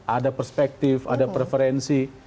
ada perspektif ada preferensi